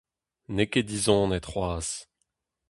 N'eo ket dizonet c'hoazh.